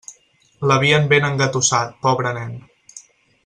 L'havien ben engatussat, pobre nen.